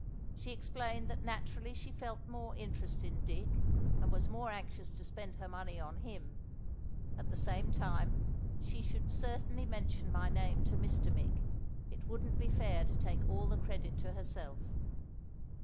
She explained that naturally she felt more interest in Dick, and was more anxious to spend her money on him; at the same time, she should certainly mention my name to Mr. Mick; it wouldn't be fair to take all the credit to herself.